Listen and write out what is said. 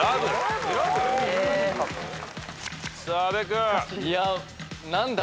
さあ阿部君。何だ？